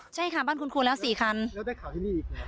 ใช่ค่ะบ้านคุณครูแล้วสี่คันแล้วได้ข่าวที่นี่อีกไง